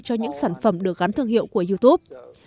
cho những sản phẩm được gắn thương hiệu của youtube